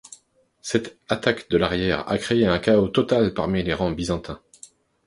Cette attaque de l'arrière a créé un chaos total parmi les rangs byzantins.